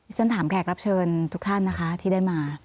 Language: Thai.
ฉันถามแขกรับเชิญทุกท่านนะคะที่ได้มา